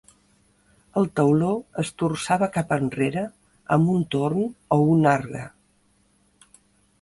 El tauló es torçava cap enrere amb un torn o un argue.